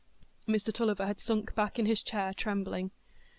Mr Tulliver had sunk back in his chair trembling.